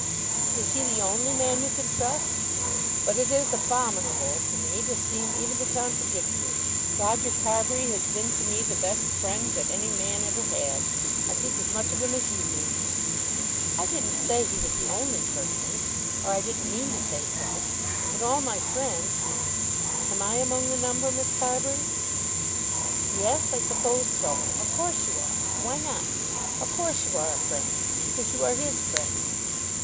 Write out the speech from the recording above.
"Is he the only man you can trust? But it is abominable to me to seem even to contradict you. Roger Carbury has been to me the best friend that any man ever had. I think as much of him as you do." "I didn't say he was the only person; or I didn't mean to say so. But of all my friends " "Am I among the number, Miss Carbury?" "Yes; I suppose so. Of course you are. Why not? Of course you are a friend, because you are his friend."